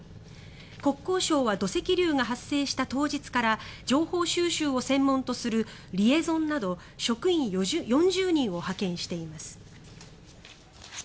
国交省は土石流が発生した当日から情報収集を専門とするリエゾンなど職員４０人を派遣しています。